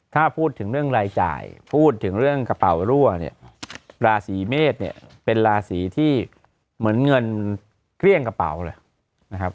ถ้าพูดถึงเรื่องรายจ่ายพูดถึงเรื่องกระเป๋ารั่วเนี่ยราศีเมษเนี่ยเป็นราศีที่เหมือนเงินเกลี้ยงกระเป๋าเลยนะครับ